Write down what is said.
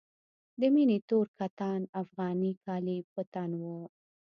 د مينې تور کتان افغاني کالي په تن وو.